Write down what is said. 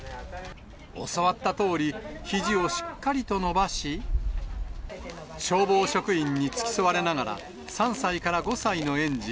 教わったとおり、ひじをしっかりと伸ばし、消防職員に付き添われながら、３歳から５歳の園児